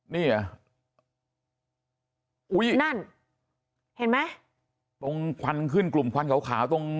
นี่ไงอุ้ยนั่นเห็นไหมตรงควันขึ้นกลุ่มควันขาวขาวตรง